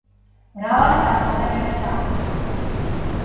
მრავალი საცხოვრებელი სახლი.